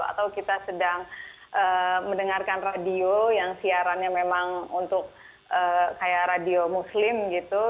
atau kita sedang mendengarkan radio yang siarannya memang untuk kayak radio muslim gitu